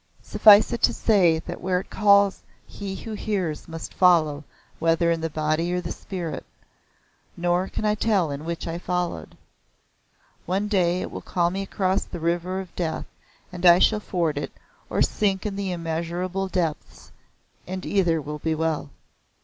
Suffice it to say that where it calls he who hears must follow whether in the body or the spirit. Nor can I now tell in which I followed. One day it will call me across the River of Death, and I shall ford it or sink in the immeasurable depths and either will be well.